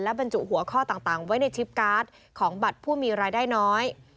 บรรจุหัวข้อต่างไว้ในชิปการ์ดของบัตรผู้มีรายได้น้อย